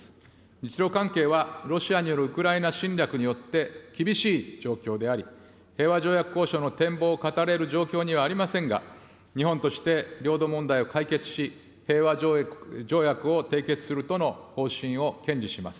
日ロ関係はロシアによるウクライナ侵略によって厳しい状況であり、平和条約交渉の展望を語れる状況にはありませんが、日本として領土問題を解決し、平和条約を締結するとの方針を堅持します。